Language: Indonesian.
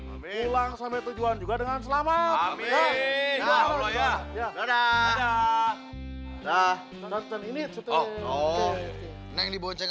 pulang sampai tujuan juga dengan selamat ya udah udah udah udah udah udah udah udah